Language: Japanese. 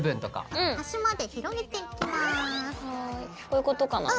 はいこういうことかな？